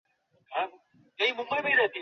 তারপর আমরা সংকীর্ণ এক উপত্যকায় প্রবেশ করি।